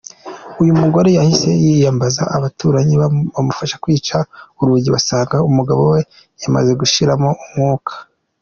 Uyu mugore yahise yiyambaza abaturanyi bamufasha kwica urugi basanga umugabo we yamaze gushiramo umwuka.